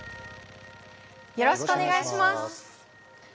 よろしくお願いします。